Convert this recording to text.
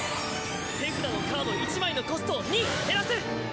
手札のカード１枚のコストを２減らす。